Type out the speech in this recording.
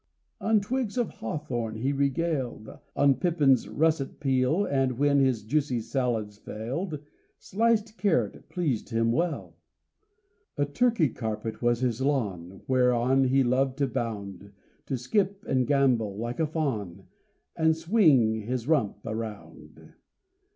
On twigs of hawthorn he regaled, On pippin's russet peel, And, when his juicy salads failed, Sliced carrot pleased him well. A Turkey carpet was his lawn, Whereon he loved to bound, To skip and gambol like a fawn, And swing his rump around.